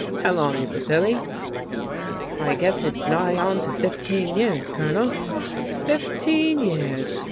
How long is it, Billy?" "I guess it's nigh on to fifteen years, Colonel." "Fifteen years!"